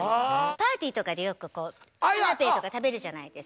パーティーとかでよくこうカナッペとか食べるじゃないですか。